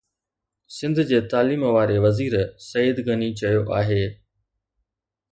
سنڌ جي تعليم واري وزير سعيد غني چيو آهي